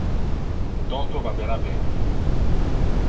Toto vadera ben.